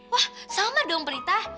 wah sama dong prita